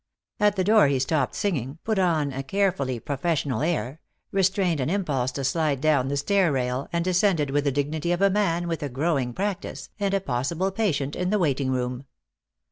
At the door he stopped singing, put on a carefully professional air, restrained an impulse to slide down the stair rail, and descended with the dignity of a man with a growing practice and a possible patient in the waiting room.